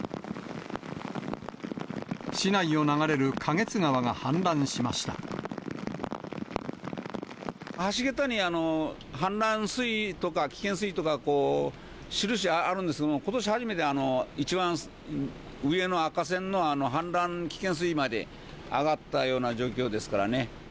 市内を流れる花月川が氾濫しまし橋桁に氾濫水位とか、危険水位とか、印あるんですけれども、ことし初めて、一番上の赤線のあの氾濫危険水位まで上がったような状況ですからね。